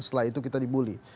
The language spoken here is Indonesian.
setelah itu kita dibully